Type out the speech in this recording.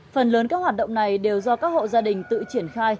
phần lớn các hoạt động này đều do các hộ gia đình tự chuyển